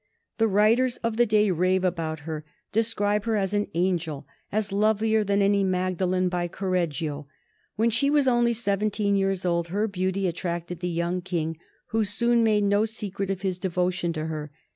The writers of the day rave about her, describe her as "an angel," as lovelier than any Magdalen by Correggio. When she was only seventeen years old her beauty attracted the young King, who soon made no secret of his devotion to her.